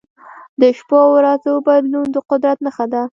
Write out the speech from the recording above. د شپو او ورځو بدلون د قدرت نښه ده.